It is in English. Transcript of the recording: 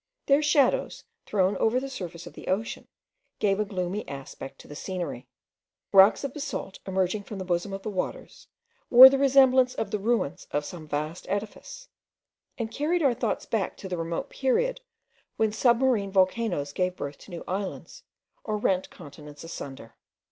Their shadows, thrown over the surface of the ocean, gave a gloomy aspect to the scenery. Rocks of basalt, emerging from the bosom of the waters, wore the resemblance of the ruins of some vast edifice, and carried our thoughts back to the remote period when submarine volcanoes gave birth to new islands, or rent continents asunder.